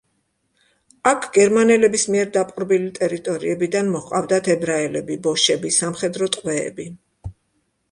აქ გერმანელების მიერ დაპყრობილი ტერიტორიებიდან მოჰყავდათ ებრაელები, ბოშები, სამხედრო ტყვეები.